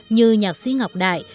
như nhạc sĩ ngọc đại